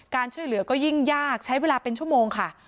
ช่วยเหลือก็ยิ่งยากใช้เวลาเป็นชั่วโมงค่ะ